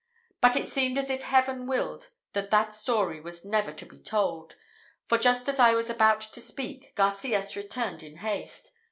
But it seemed as if Heaven willed that that story was never to be told, for just as I was about to speak, Garcias returned in haste.